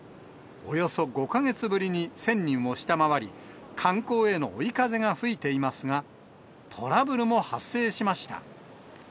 およそ５か月ぶりに１０００人を下回り、観光への追い風が吹いていますが、トラブルも発生しました。